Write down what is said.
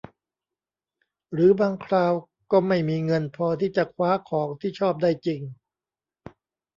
หรือบางคราวก็ไม่มีเงินพอที่จะคว้าของที่ชอบได้จริง